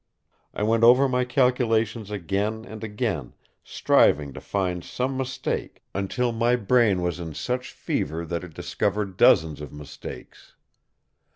I went over my calculations again and again, striving to find some mistake, until my brain was in such fever that it discovered dozens of mistakes.